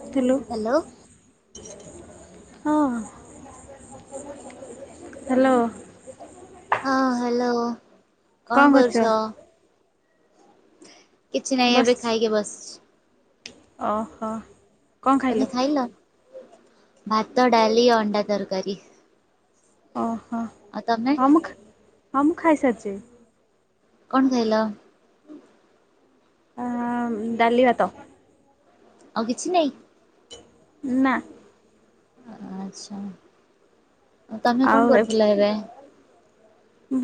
Hello. ହଁ । ହଁ hello. କଣ କରୁଛ? କିଛି ନାହିଁ ଏବେ ଖାଇକି ବସଚି । ଓ ହୋ । ତମେ ଖାଇଲ? ଭାତ, ଡାଲି, ଅଣ୍ଡା ତରକାରୀ । ଓ ହୋ ହଁ- ମୁଁ - ହଁ - ମୁଁ ଖାଇ ସାରିଛି। କଣ ଖାଇଲ? ଆ ଡାଲି, ଭାତ। ଆଉ କିଛି ନାଇଁ? ନା। ଆଛା ତମେ ଆଉ କଣ କରୁଥିଲ ଏବେ?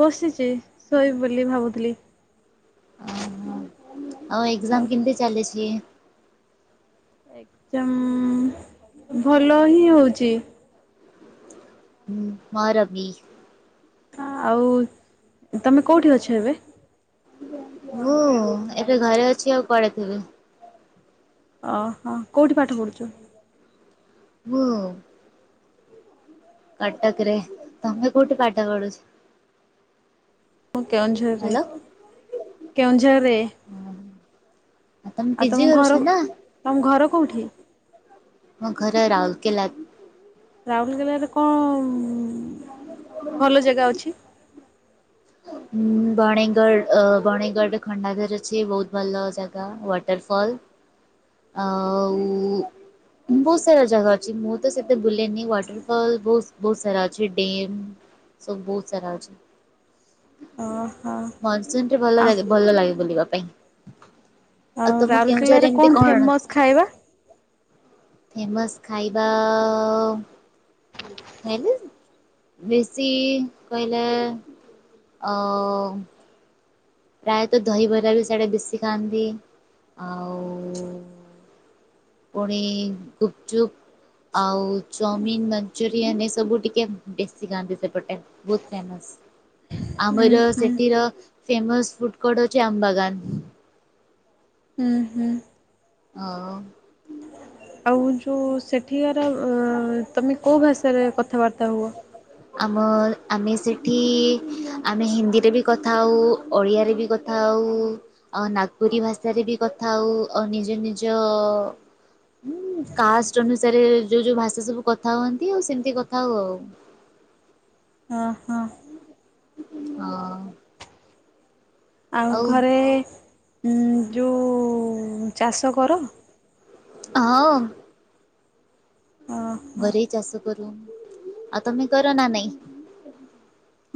ବସିଛି, ଶୋଇବି ବୋଲି ଭାବୁଥିଲି। ଓ ହୋ ଆଉ ଏକ୍ଜାମ କେମିତି ଚାଲିଛି? ଏକଜାମ ଭଲ ହିଁ ହଉଛି। ହୁଁ ମୋର ବି। ଆଉ ତମେ କୋଉଁଠି ଅଛ ଏବେ? ହୁଁ ଏବେ ଘରେ ଅଛି। ଆଉ କୁଆଡ଼େ ଥିବି? ଓ ହଁ କୋଉଠି ପାଠ ପଢୁଛ? ମୁଁ। କଟକରେ ।ତମେ କୋଉଠି ପାଠ ପଢୁଛ? ମୁଁ କେଉଁଝରରେ ହ୍ୟାଲୋ କେଉଁଝରରେ। ତମେ ଆଉ ପିଜି ତମ କରୁଛ ଘର ନା? ତମ ଘର କୋଉଠି? ମୋ ଘର ରାଉରକେଲା। ରାଉରକେଲାରେ କଣ ଭଲ ଜାଗା ଅଛି? ହୁଁ ବନେଗଡ଼ ଅ ବଣଗଡ ଖଣ୍ଡାଧର ଅଛି ବହୁତ ଭଲ ଜାଗା ୱାଟରଫ ଫଲ ଆଉ ବହୁତ ସାରା ଜାଗା ଅଛି ।ମୁଁ ତ ସେତେ ଗୁଲେନି ୱାଟରଫଲ ବହୁତ ବହୁତ ସାରା ଅଛି ଡେମ୍ ସବୁ ବହୁତ ସାରା ଅଛି। ଓହୋ ମନସୁନରେ ଭଲ ଆଉ ଲାଗେ ଭଲ ଲାଗେ ବୁଲିବା ପାଇଁ। ଆଉ ତମ ରାଉରକେଲାରେ କେଉଁଝରରେ ଏମତି କଣ? ଫେମସ୍ ଖାଇବା? ଫେମସ ଖାଇବା ଖାଇଲି। ବେଶୀ କହିଲା ଆ ପ୍ରାୟତଃ ଦହିବରା ବି ସିଆଡେ ବେଶୀ ଖାଆନ୍ତି। ଆଉ ପୁଣି ଗୁପଚୁପ ଆଉ ଚାଉମିିନ, ମଞ୍ଚୁରିୟନ ଏ ସବୁ ଟିକେ ବେଶୀ ଖାଆନ୍ତି ସେପଟେ, ବହୁତ ଫେମସ। ହ ଉଁ ଆମର ହୁଁ ସେଠିର ଫେମସ ଫୁଟ୍ କୋଡ୍ ହଉଛି ଆମ୍ବାଗାନ। ହୁଁ- ହୁଁ। ଆଉ। ଆଉ ଯୋଉ ସେଠୀକାର ତମେ କୋଉ ଭାଷାରେ କଥାବାର୍ତ୍ତା ହୁଅ? ଆମ ଆମେ ସେଇଠି ଆମେ ହିନ୍ଦୀରେ ବି କଥା ହଉ, ଓଡ଼ିଆରେ ବି କଥା ହ ଉ ନାଗପୁରୀ ଭାଷାରେ ବି କଥା ହଉ, ଆଉ ନିଜ ନିଜ ହୁଁ କାଷ୍ଟ ଅନୁସାରେ ଯୋଉ ଯୋଉ ଭାଷା ସବୁ କଥା ହୁଅନ୍ତି, ଆଉ ସେମିତି କଥା ହଉ ଆଉ। ଓ ହୋ। ହଁ। ଆଉ ଘରେ ଯୋଉ ଚାଷ କର? ହଁ। ଓହୋ ଘରେ ଚାଷ କରୁ ।ଆଉ ତମେ କର ନା ନାହିଁ?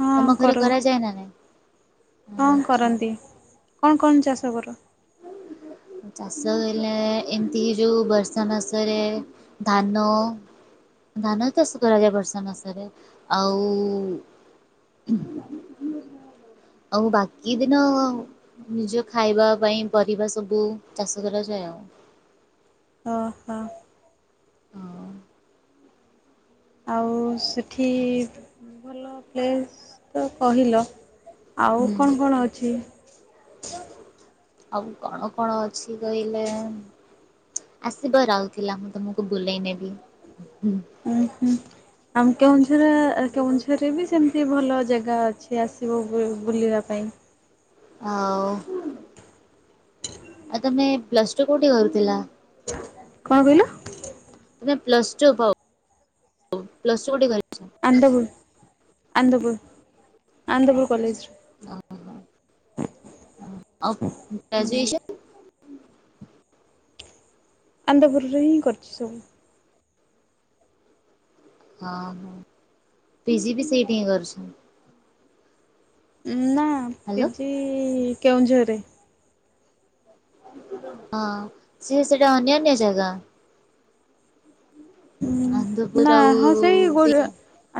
ହଁ ଘରେ କରୁ କରା ଯାଏ ନା ନାଇଁ? ହଁ ଆଚ୍ଛା। କରନ୍ତି କଣ କଣ ଚାଷ କର। ଚାଷ ହେଲେ ଏମିତି କି ଯେଉଁ ବର୍ଷା ମାସରେ ଧାନ ଧାନ ଚାଷ କରାଯାଏ ବର୍ଷା ମାସରେ ଆଉ [inaudible] ଆଉ ବାକି ଦିନ ନିଜ ଖାଇବା ପାଇଁ ପରିବା ସବୁ ଚାଷ କରାଯାଏ ଆଉ। ଓ ହ। ହଁ। ଆଉ ସେଠି ଭଲ ପ୍ଲେସ୍ ତ କହିଲ। ଆଉ ହୁଁ କଣ କଣ ଅଛି? ଆଉ କଣ କଣ ଅଛି କହିଲେ? ଆସିବ ରାଉଲୁକେଲା ମୁଁ ତମକୁ ବୁଲେଇ ନେବି। ଉ ହୁଁ। ଆମ କେଉଁଝର କେଉଁଝରରେ ବି ସେମତି ଭଲ ଜାଗା ଅଛି। ଆସିବ ବୁଲିବା ପାଇଁ। ଆଉ ଆଉ ତମେ ପ୍ଲସଟୁ କୋଉଠି କରୁଥିଲା? କଣ କହିଲ? ତମେ ପ୍ଲସଟୁ ପ-ପ୍ଲସଟୁ କୋଉଠି କ ଆନ୍ଦପୁର ଆନ୍ଦପୁର। ଆନ୍ଦପୁର କଲେଜରେ। ଆଉ ଗ୍ରାଜୁଏସନ୍? ଆନ୍ଦପରୁରେ ହିଁ କରିଚି ସବୁ। ହଁ ହଁ ପିଜି ବି ସେଇଠି ହିଁ କରିଚି। ନା ହ୍ୟାଲୋ ପିଜି କେଉଁଝରରେ ହଁ ସିଏ ସେଟା ଅନ୍ୟାନ୍ୟ ଜାଗା। ଆନ୍ଦପୁର ନା ଆଉ ହଁ ସେଇ ଗୋ ସେଇଟା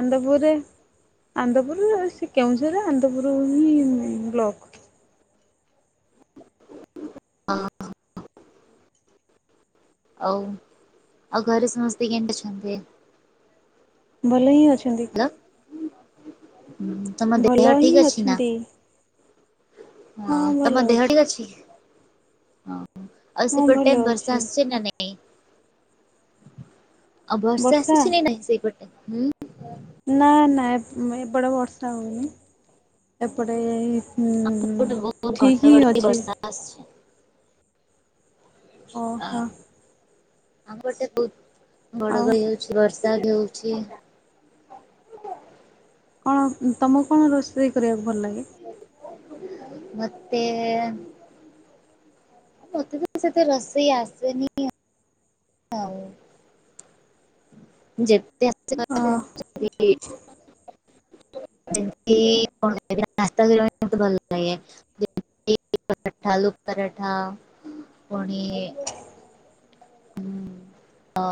ଆନ୍ଦପୁରରେ ଆନ୍ଦପୁର ସେ କେଉଁଝର ଆନ୍ଦପୁର ହିଁ ବ୍ଲକ। ହଁ। ଆଉ ଆଉ ଘରେ ସମସ୍ତେ କେମିତି ଅଛନ୍ତି? ଭଲ ହିଁ ଅଛନ୍ତି। ହ୍ୟାଲୋ ତମ ଦେହ ଭଲ ଠିକ ହିଁ ଅଛି ନା? ଅଛନ୍ତି। ହଁ ଭଲ ତମ ଅଛି। ଦେହଟି ଠିକ ଅଛି। ଆଉ ହଁ ଭଲ ସେପଟେ ବର୍ଷା ଅଛି ଆସୁଚି ନା ନାଇଁ। ଆଉ ବର୍ଷା ଆସୁଚି ନାଇଁ ସେଇପଟେ ହୁଁ। ନାଁ ନାଁ ଏପ-ଏପଟେ ବର୍ଷା ହୋଉନି ଏପଟେ ହୁଁ ହୁଁ ଏପଟେ ବହୁତ ଠିକ ହିଁ ଘଡଘଡି ଅଛି। ବର୍ଷା ଆସୁଛି। ଓ ହୋ। ଆମ ପଟେ ବୋହୁତ ଆଉ ଘଡ଼ଘଡ଼ି ହୋଉଚି ବ ର୍ଷା ବି ହୋଉଚି। କଣ ତମକୁ କଣ ରୋଷେଇ କରିବାକୁ ଭଲ ଲାଗେ? ମତେ ମତେ ତ ସେତେ ରୋଷେଇ ଆସେନି ଆଉ ଯେତେ ଆ ଅ [unintelligible] ଯେମିତି [inaudible] ଭାତ ମତେ ଭଲ ଲାଗେ [inaudible] ପରାଠା ଆଲୁ ପରାଠା ପୁଣି ହୁଁ ଅ।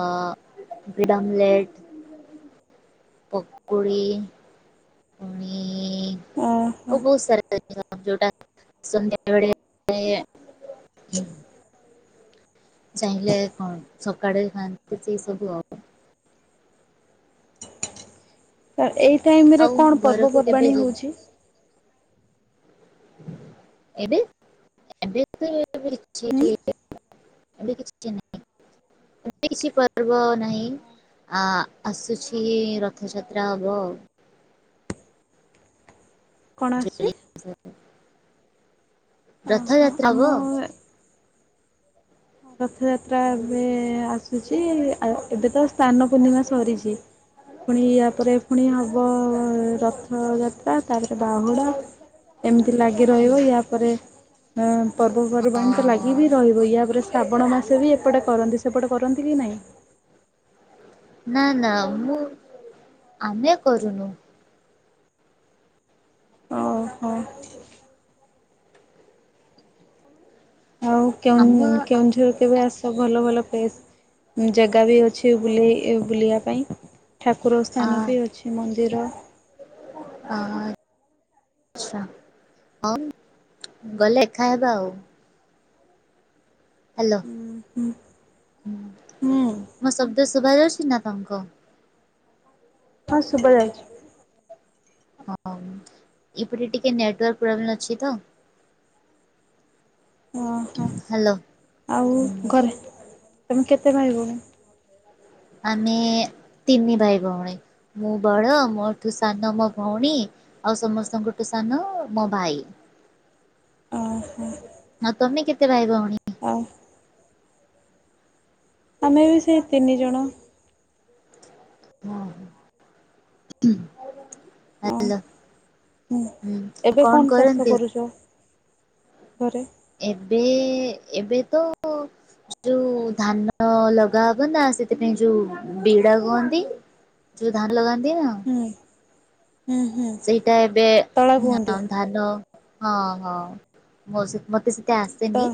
ଅଣ୍ଡା ଆମଲେଟ୍ ପକୁଡ଼ି ପୁଣି ଓ ଆଉ ହୋ। [unintelligible] ଯୋଉଟା ସନ୍ଧ୍ୟାବେଳେ ଚାହିଁଲେ କଣ ସକାଳେ ଖାଆନ୍ତି ସେ ସବୁ ଆଉ। ଏଇ ଟାଇମ ରେ ଆଉ କଣ ଘରକୁ କେବେ ପର୍ବପର୍ବାଣୀ ଯି ହଉଚି? ଏବେ ଏବେ ତ। [unintelligible] ହୁଁ ଏବେ କିଛି ନାଇ। ଏବେ କିଛି ପର୍ବ ନାହିଁ। ଆ ଆସୁଛି ରଥଯାତ୍ରା ହବ ଆଉ। କଣ ଜୁଲାଇ ଆସୁଚି? ଓହୋ ରଥଯାତ୍ରା ଆମ ହବ। ହଁ ରଥଯାତ୍ରା ଏବେ ଆସୁଚି। ଆ ଏବେତ ସ୍ନାନପୂର୍ଣ୍ଣିମା ସରିଚି। ପୁଣି ୟା ପରେ ପୁଣି ହବ ରଥଯାତ୍ରା । ତାପରେ ବାହୁଡ଼ା। ଏମିତି ଲାଗି ରହିବ। ୟା ପରେ ଅ ପର୍ବପର୍ବାଣି ତ ହଁ ଲାଗି ବିି ରହିବ। ୟା ପରେ ଶ୍ରାବଣ ମାସ ବି ଏପଟେ କରନ୍ତି। ସେପଟେ କରନ୍ତି କି ନାହିଁ? ନା ନା ମୁଁ ଆମେ କରୁନୁ। ଓ ହୋ। ଆଉ ଆମ କେଉଁ ଆ କେଉଁଝର କେବେ ଆସ ଭଲ ଭଲ ପ୍ଲେସ ଜାଗା ବି ଅଛି। ବୁଲେଇ ବୁଲିବା ପାଇଁ ଠାକୁର ସ୍ଥାନ ବି ଅଛି ମନ୍ଦିର। ଓ। ଆଛା ହଁ ଗଲେ ଦେଖା ହେବା ଆଉ । ହାଲୋ। ହୁଁ ହୁଁ ମୋ ଶବ୍ଦ ଶୁଭାଯାଉଚି ନା ତମକୁ? ଶୁଭାଯାଉଚି। ହଁ, ଏପଟେ ଟିକେ ନେଟୱାର୍କ ପ୍ରୋବ୍ଲେମ୍ ଅଛି ତ। ଓହୋ, ହ୍ୟାଲୋ ଆଉ ଘରେ ତମେ କେତେ ଭାଇ ଭଉଣୀ? ଆମେ ତିନି ଭାଇ ଭଉଣୀ। ମୁଁ ବଡ ମୋଠୁ ସାନ ମୋ ଭଉଣୀ ଆଉ ସମସ୍ତଙ୍କଠୁ ସାନ ମୋ ଭାଇ। ଓ ହୋ। ଆଉ ତମେ କେତେ ଭାଇ ଭଉଣୀ? ଅ। ଆମେ ବି ସେଇ ତିନି ଜଣ। ହ୍ୟାଲୋ ହଁ, ହୁଁ ଏବେ କଣ ଚାଷ କରନ୍ତି? କରୁଚ? ଘରେ ଏବେ ଏବେ ତ ଯୋଉ ଧାନ ଲଗା ହବ ନା ସେଥିପାଇଁ ଯୋଉ ବିଡା କୁହନ୍ତି ଯଉ ଧାନ ଲଗା ହୁଁ ହୁଁ ହୁଁ [unintelligible] ସେଇଟା ଏବେ ତଳା କୁହନ୍ତି ଧାନ ହଁ ହଁ ମୋର୍ ସେ ମତେ ସେତେ ତ ଆସେନି।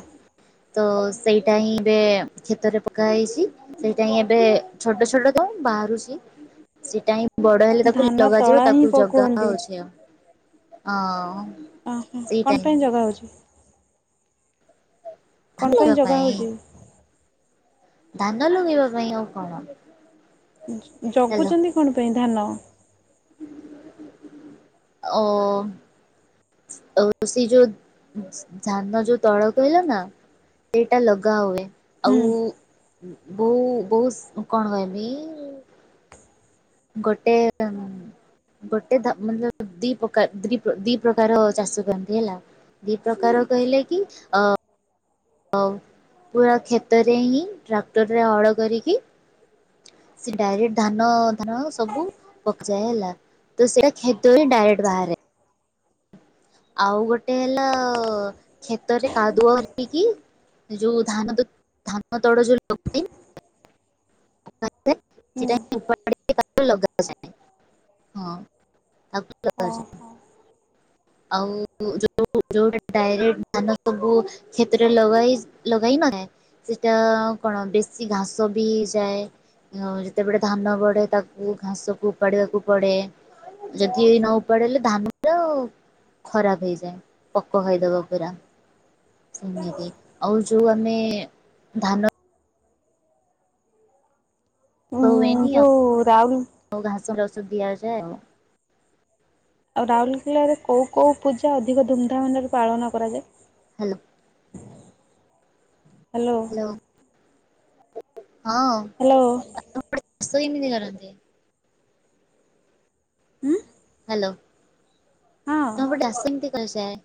ତ ସେଇଟା ହିଁ ଏବେ କ୍ଷେତରେ ପକା ହେଇଛି। ସେଇଟା ହିଁ ଏବେ ଛୋଟ ଛୋଟ ଦଉ ବାହାରୁଛି। ସେଇଟା ହିଁ ବଡ ହେଲେ ତାକୁ ଧାନ ଲଗାଯିବ ତଳା ହିଁ ତାକୁ ଜଗା ପକୁଅନ୍ତି। ହଉଛି ଆଉ। ଆଉ ଓ ହୋ କଣ ପାଇଁ ଯଗା ହଉଚି? ଧାନ କଣ ପାଇଁ ଲଗେଇବା ଜଗା ହଉଚି? ଧାନ ଲୁଗେଇବା ପାଇଁ ଆଉ କଣ। ହ୍ୟାଲୋ ଜଗୁଛନ୍ତି କଣ ପାଇଁ ଧାନ? ଓ ସେ ଯୋଉ ଧାନ ଯୋଉ ତଳ କହିଲା ନା ଏଇଟା ଲଗା ହୁଏ। ହୁଁ ଆଉ ବୋଉ ବୋଉସ୍ କଣ କହମି ଗୋଟେ ଗୋଟେ ମ ଦି ପ୍ରକାର ଦି ଦି ପ୍ରକାର ଚାଷ କରନ୍ତି ହେଲା। ଦି ପ୍ରକାର କହିଲେ କି, ଅ ଆଉ ପୁରା କ୍ଷେତରେ ହିଁ ଟ୍ରାକ୍ଟରରେ ହଳ କରିକି ସେ ଡାଇରେକ୍ଟ ଧାନ ଧାନ ଯାକ ସବୁ ପକା ହେଲା। ତ ସେଇଟା ଖେତରେ ଡାଇରେକ୍ଟ ବାହାରେ। ଆଉ ଗୋଟେ ହେଲା, କ୍ଷେତରେ କାଦୁଅ ହେଇକି ଯୋଉ ଧାନ ଧାନ ତଳ ଯୋଉ ଲଗ ହୁଁ [unintelligible] ଲଗାଯାଏ ହଁ। ତାକୁ ଓ ଲଗାଯାଏ ହୋ। ଆଉ ଯୋଉ ଯୋଉ ଡାଇରେକ୍ଟ ଧାନ ସବୁ କ୍ଷେତରେ ଲଗା ହେଇ ଲଗାହେଇନି। ସେଟା କଣ ବେଶୀ ଘାସ ବି ହେଇଯାଏ। ନ ଯେତେବେଳେ ଧାନ ବଢେ ତାକୁ ଘାସକୁ ଉପାଡ଼ିବାକୁ ପଡ଼େ। ଯଦି ଏଇ ନ ଉପଡେଇଲେ ଧାନ ତ ଆଉ ଖରାପ ହେଇଯାଏ ପୋକ ଖାଇଦବ ପୁରା। ସେମିତି ଆଉ ଯୋଉ ଆମେ ଧାନ ଉଁ ଧାନ ହୁଏନି ଯୋଉ ରାଉଲ ଆଉ ଘାସ [unintelligible] ଦିଆଯାଏ ଆଉ। ଆଉ ରାଉରକେଲାରେ କୋଉ କୋଉ ପୂଜା ଅଧିକ ଧୁମଧାମରେ ପାଳନ କରାଯାଏ? ହ୍ୟାଲୋ। ହ୍ୟାଲୋ। ହଁ ହ୍ୟାଲୋ [unintelligible] ସେମିତି କରନ୍ତି। ଉଁ। ହ୍ୟାଲୋ ହଁ ତମ ପଟେ ଚାଷ କେମିତି କରାଯାଏ,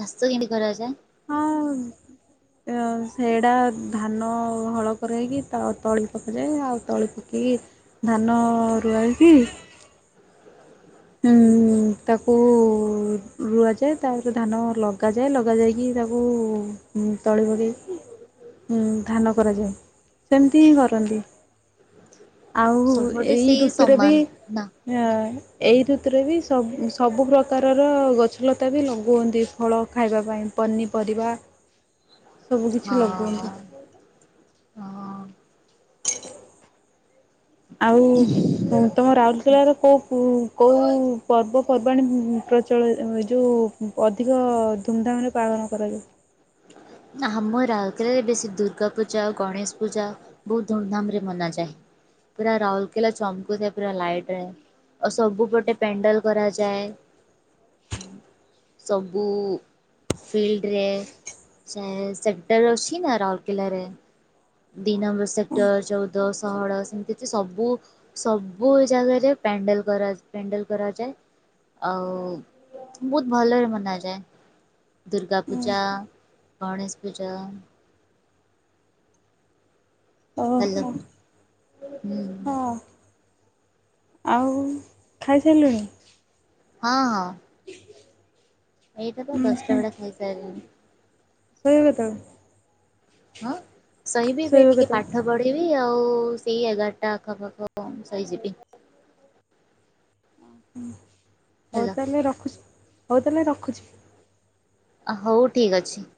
ଚାଷ କେମିତି କରଯାଏ? ହଁ। ଆ ସେଇଟା ଧାନ ହଳ କରାହେଇକି ତା ତଳି ପକାଯାଏ। ଆଉ ତଳି ପକେଇ କି ଧାନ ରୁଆ ହେଇକି ହୁଁ ହୁଁ ତାକୁ ରୁଆଯାଏ, ତାପରେ ଧାନ ଲଗାଯାଏ । ଲଗା ଯାଇକି ତାକୁ ତଳି ପକେଇକି ହୁଁ ଧାନ କରାଯାଏ, ସେମିତି ହିଁ କରନ୍ତି । ଆଉ ସବୁପଟେ ଏଇ ସେଇ ଋତୁରେ ବି ସମାନ ନା ଅ ଯୋଉଥିରେ ବି ସବୁ ସବୁ ପ୍ରକାରର ଗଛଲତା ବି ଲଗଉଅନ୍ତି, ଫଳ ଖାଇବା ପାଇଁ ପନିପ ରିବା। ହଁ- ହଁ। ଆଉ ତମ ରାଉରକେଲାର କୋଉ କୋଉ ପର୍ବ ପର୍ବାଣି ପ୍ରଚଳ ଯୋଉ ଅଧିକ ଧୁମଧାମରେ ପାଳନ କରାଯାଏ? ହ ଆମ ରାଉରକେଲାରେ ବେଶୀ ଦୁର୍ଗା ପୂଜା ଆଉ ଗଣେଶ ପୂଜା ବହୁତ ଧୁମଧାମରେ ମନାଯାଏ। ପୁରା ରାଉରକେଲା ଚମକୁ ଥାଏ ପୁରା ଲାଇଟରେ। ଆଉ ସବୁ ପଟେ ପ୍ୟାଣ୍ଡଲ କରାଯାଏ। ସବୁ ଫିଲ୍ଡରେ। ସେ ସେଣ୍ଟରରେ ଅଛି ନା ରାଉରକଲାରେ। ଦି ନମ୍ବର ସେକ୍ଟର ଚଉଦ ଷୋଳ ସେମିତି ତ ସବୁ ସବୁ ଜାଗାରେ ପ୍ୟାଣ୍ଡଲ କରା ପ୍ୟାଣ୍ଡଲ କରାଯାଏ। ଆଉ ବହୁତ ଭଲରେ ମନାଯାଏ। ଦୁର୍ଗା ପୂଜା ଗଣେଶ ପୂଜା ଓ ହ୍ୟାଲୋ ହୋ। ହୁଁ। ହଁ। ଆଉ ଖାଇସାରିଲୁଣି? ହଁ- ହଁ। ଏଇଟା ତ ଦଶଟା ବେଳେ ଖାଇସାଇଲିଣି। ସେଇ କଥା। ହଁ ଶୋଇିବି ବି ଏବେ ଟିକେ କେତେବେଳେ? ପାଠ ପଢିବି। ଆଉ ସେଇ ଏଗାରଟା ଆଖପାଖ ଶୋଇଯିବି। ହଉ ହେଲା ତାହେଲେ ରଖୁଛି। ହଉ ତାହେଲେ ରଖୁଛି। ହଉ ଠିକ ଅଛି।